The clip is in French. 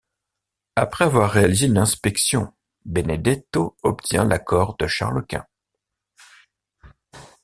Après avoir réalisé une inspection, Benedetto obtient l'accord de Charles Quint.